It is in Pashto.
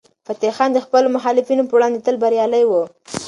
فتح خان د خپلو مخالفینو په وړاندې تل بریالی و.